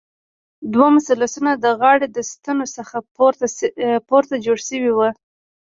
دوه مثلثونه د غاړې د ستنو څخه پورته جوړ شوي وو.